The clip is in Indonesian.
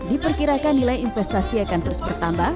diperkirakan nilai investasi akan terus bertambah